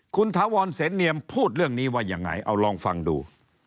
คุณถาวรเสนเนียมพูดเรื่องนี้ว่ายังไงเอาลองฟังดู